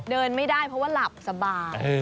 เดินไม่ได้เพราะว่าหลับสบาย